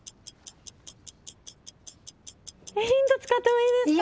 ヒント使ってもいいですか？